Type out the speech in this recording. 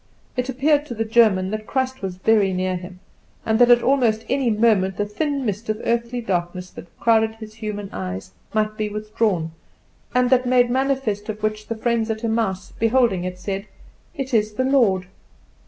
It appeared to the German that Christ was very near him, and that at almost any moment the thin mist of earthly darkness that clouded his human eyes might be withdrawn, and that made manifest of which the friends at Emmaus, beholding it, said, "It is the Lord!"